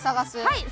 はい。